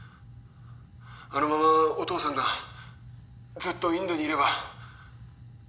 あのままお父さんがずっとインドにいれば。